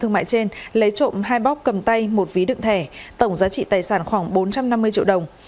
trên lấy trộm hai bóc cầm tay một ví đựng thẻ tổng giá trị tài sản khoảng bốn trăm năm mươi triệu đồng